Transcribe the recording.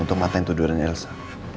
untuk matain tudurannya elsa